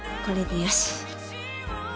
これでよし。